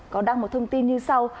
có đăng một thông tin như sau